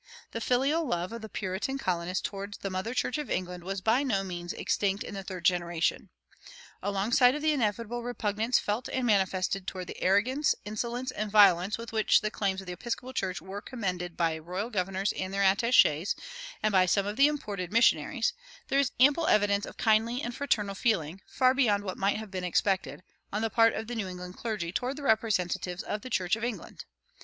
The filial love of the Puritan colonists toward the mother church of England was by no means extinct in the third generation. Alongside of the inevitable repugnance felt and manifested toward the arrogance, insolence, and violence with which the claims of the Episcopal Church were commended by royal governors and their attachés and by some of the imported missionaries, there is ample evidence of kindly and fraternal feeling, far beyond what might have been expected, on the part of the New England clergy toward the representatives of the Church of England.